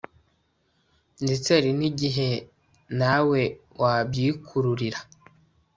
ndetse hari n igihe nawe wabyikururira